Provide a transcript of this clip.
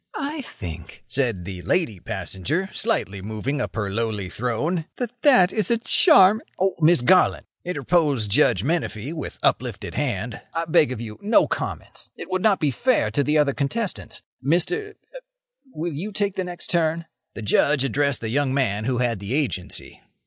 "I think," said the lady passenger, slightly moving upon her lowly throne, "that that is a char—" "Oh, Miss Garland!" interposed Judge Menefee, with uplifted hand, "I beg of you, no comments! It would not be fair to the other contestants. Mr.—er—will you take the next turn?" The Judge addressed the young man who had the Agency.